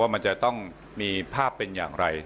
มันจะต้องมีภาพเป็นอย่างไร